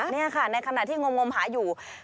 นี่ค่ะในขณะที่งมหาอยู่